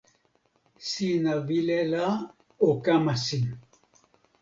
sina wile la o kama sin.